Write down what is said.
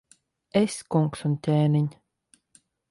Es, kungs un ķēniņ!